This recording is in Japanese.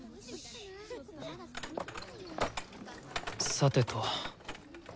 さてと。